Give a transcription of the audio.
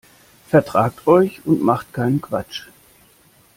Vertragt euch und macht keinen Quatsch.